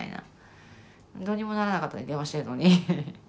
どうにもならなかったから電話してるのに。